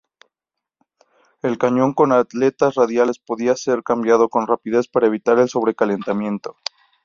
El cañón con aletas radiales podía ser cambiado con rapidez para evitar el sobrecalentamiento.